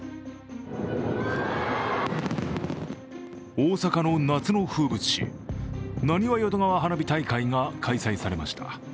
大阪の夏の風物詩、なにわ淀川花火大会が開催されました。